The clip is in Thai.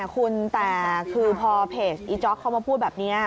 คุณแต่คือพอเพจอีจ๊อกเขามาพูดแบบนี้